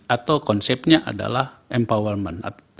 atau konsepnya adalah empowerment